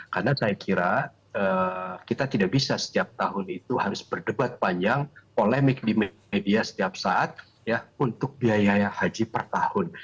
karena saya kira kita tidak bisa setiap tahun itu harus berdebat panjang polemik di media setiap saat ya untuk biaya haji per tahun